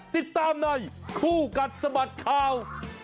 ติดตามในคู่กัดสะบัดข่าว